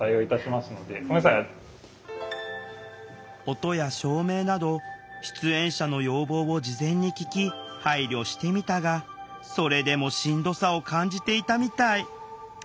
音や照明など出演者の要望を事前に聞き配慮してみたがそれでもしんどさを感じていたみたい。